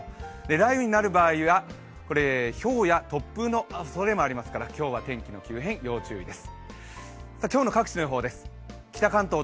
雷雨になる場合はひょうや突風のおそれもありますから今日は天気の急変、要注意です。